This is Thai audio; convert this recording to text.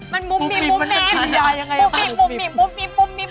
มันมุบมิบมุบมิบ